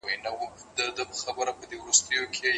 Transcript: ایا دا سړک به یوه ورځ د خیر محمد لپاره د خوښۍ ځای شي؟